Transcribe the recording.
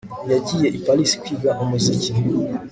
Yagiye i Paris kwiga umuziki